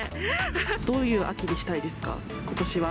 どういう秋にしたいですか、ことしは。